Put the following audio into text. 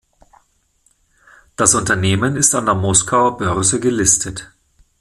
Das Unternehmen ist an der Moskauer Börse gelistet.